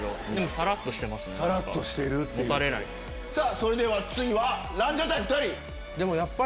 それでは次はランジャタイ２人。